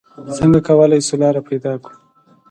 څنګه کولې شو لاره پېدا کړو؟